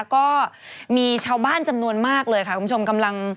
ก็มีชาวบ้านจำนวนมากเลยค่ะคุณผู้ชมกำลัง